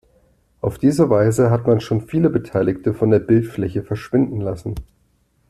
Auf diese Weise hat man schon viele Beteiligte von der Bildfläche verschwinden lassen.